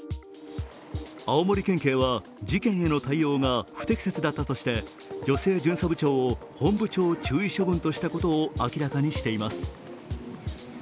青森県警は事件への対応が不適切だったとして女性巡査部長を本部長注意処分としたことを明らかにしています。